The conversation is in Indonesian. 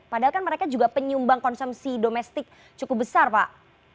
padahal kan mereka juga penyumbang konsumsi domestik cukup besar pak